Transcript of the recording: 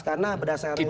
kita juga nggak puas